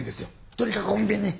とにかく穏便に。